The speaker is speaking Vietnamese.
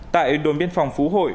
tại đồn biên phòng phú hội